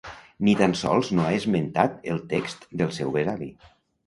Ni tan sols no ha esmentat el text del seu besavi.